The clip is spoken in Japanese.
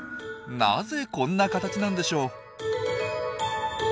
なぜこんな形なんでしょう？